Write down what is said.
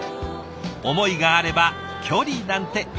思いがあれば距離なんて。